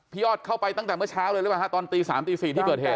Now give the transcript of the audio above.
ยอดเข้าไปตั้งแต่เมื่อเช้าเลยหรือเปล่าฮะตอนตี๓ตี๔ที่เกิดเหตุ